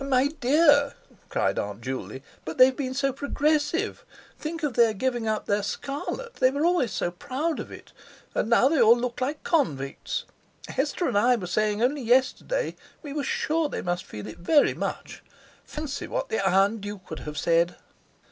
"My dear!" cried Aunt Juley, "but they've been so progressive. Think of their giving up their scarlet. They were always so proud of it. And now they all look like convicts. Hester and I were saying only yesterday we were sure they must feel it very much. Fancy what the Iron Duke would have said!"